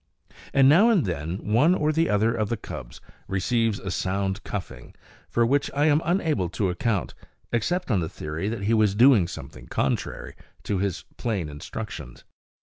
And now and then one or the other of the cubs receives a sound cuffing; for which I am unable to account, except on the theory that he was doing something contrary to his plain instructions.